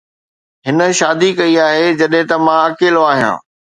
هن شادي ڪئي آهي جڏهن ته مان اڪيلو آهيان